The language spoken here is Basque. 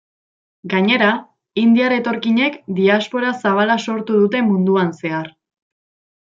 Gainera, indiar etorkinek diaspora zabala sortu dute munduan zehar.